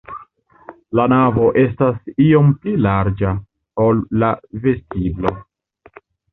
La navo estas iom pli larĝa, ol la vestiblo.